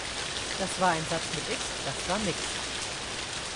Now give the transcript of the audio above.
Das war ein Satz mit X, das war Nix.